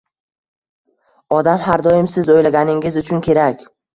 Odam har doim siz o'ylaganingiz uchun kerak.